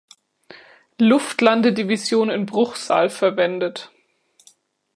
Luftlandedivision in Bruchsal verwendet.